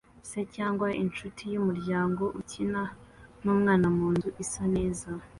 Se cyangwa inshuti yumuryango ukina numwana munzu isa neza